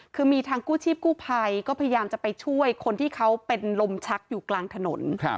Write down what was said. คือมีทางกู้ชีพกู้ภัยก็พยายามจะไปช่วยคนที่เขาเป็นลมชักอยู่กลางถนน